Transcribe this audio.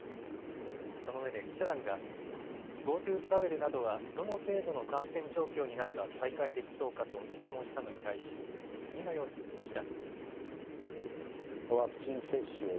そのうえで記者団がＧｏＴｏトラベルなどはどの程度の感染状況になれば再開できそうかと質問したのに対し次のように述べました。